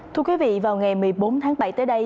thưa quý vị vào ngày một mươi bốn tháng bảy tới đây